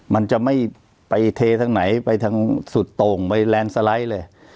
มันจะไม่ไปเททางไหนไปทางสุดโต่งไปแลนด์สไลด์เลย